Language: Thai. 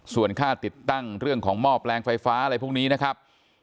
ส่วนค่าติดตั้งเรื่องของหม้อแปลงไฟฟ้าอะไรพวกนี้นะครับ